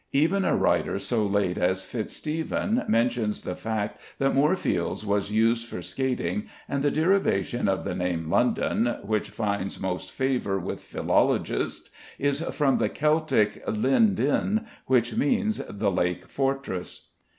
Even a writer so late as Fitz Stephen mentions the fact that Moorfields was used for skating, and the derivation of the name "London" which finds most favour with philologists is from the Celtic Llyn din, which means the Lake fortress.